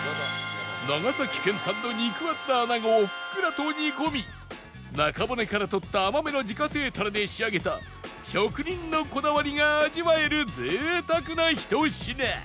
長崎県産の肉厚な穴子をふっくらと煮込み中骨から取った甘めの自家製たれで仕上げた職人のこだわりが味わえる贅沢なひと品